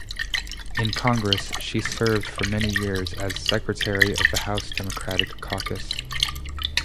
In Congress, she served for many years as Secretary of the House Democratic Caucus.